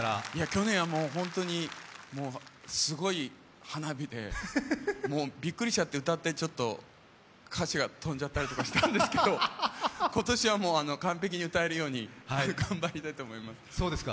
去年は本当にすごい花火で、もうビックリしちゃって歌って、ちょっと歌詞がとんじゃったりしたんですけど今年は完璧に歌えるように、頑張りたいと思います。